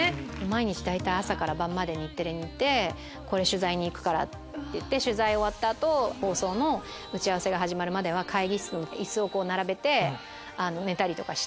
毎日大体朝から晩まで日テレにいて取材に行くから！っていって取材終わった後放送の打ち合わせが始まるまでは会議室に椅子を並べて寝たり。